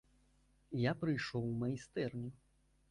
Я прыйшоў у майстэрню.